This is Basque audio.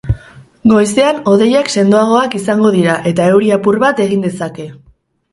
Goizean hodeiak sendoagoak izango dira eta euri apur bat egin dezake.